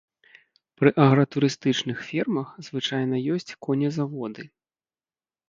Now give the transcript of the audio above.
Пры агратурыстычных фермах звычайна ёсць конезаводы.